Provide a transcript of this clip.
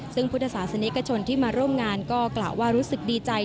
ซึ่งพุทธศาสนิกชนที่มาร่วมงานก็กล่าวว่ารู้สึกดีใจ